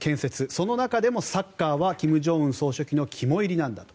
その中でもサッカーは金正恩総書記の肝煎りなんだと。